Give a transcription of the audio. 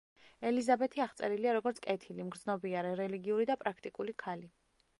ელიზაბეთი აღწერილია როგორც კეთილი, მგრძნობიარე, რელიგიური და პრაქტიკული ქალი.